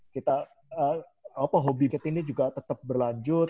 kita apa hobi kita ini juga tetap berlanjut